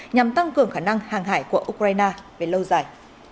nhằm tăng cường khả năng hàng hải của ukraine về lâu dài